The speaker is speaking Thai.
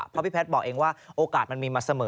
เพราะพี่แพทย์บอกเองว่าโอกาสมันมีมาเสมอ